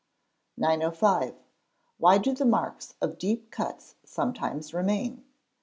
905. _Why do the marks of deep cuts sometimes remain?